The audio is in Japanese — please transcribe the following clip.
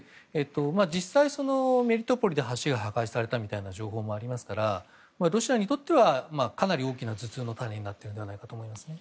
実際、メリトポリで橋が破壊されたというような情報もありますからロシアにとってはかなり大きな頭痛の種になっているんだろうと思います。